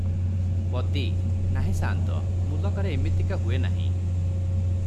ପଦୀ-ନାହିଁ ସାନ୍ତ! ମୁଲକରେ ଇମିତିକା ହୁଏ ନାହିଁ ।